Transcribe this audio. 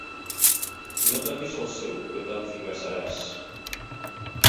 No toquis el seu, que t'enfigassaràs.